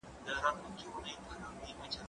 زه به اوږده موده خبري کړې وم؟!